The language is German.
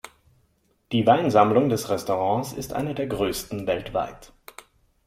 Die Weinsammlung des Restaurants ist eine der größten weltweit.